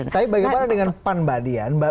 tapi bagaimana dengan pan mbak dian mbak